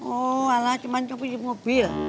oh alah cuma mau cuci mobil